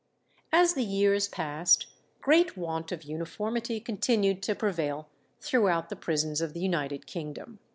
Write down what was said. As the years passed, great want of uniformity continued to prevail throughout the prisons of the United Kingdom.